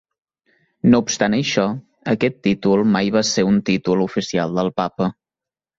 No obstant això, aquest títol mai va ser un títol oficial del papa.